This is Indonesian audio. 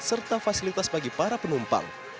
serta fasilitas bagi para penumpang